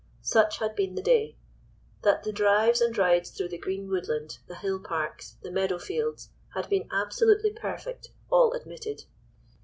Such had been the day. That the drives and rides through the green woodland, the hill parks, the meadow fields, had been absolutely perfect all admitted.